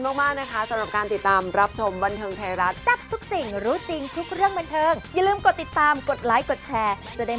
บวกอีก๒เข้าไปอุ้ยคุณผู้ชมว่ากันวันที่๑๖จ้า